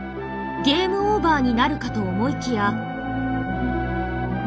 ゲームオーバーになるかと思いきや。